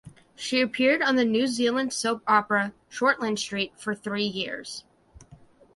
She appeared on the New Zealand soap opera "Shortland Street" for three years.